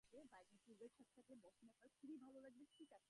আমার দেশে ধর্মসম্প্রদায়গুলি ব্যাঙের ছাতার মত বৃদ্ধি পাইয়া থাকে।